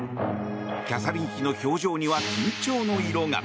キャサリン妃の表情には緊張の色が。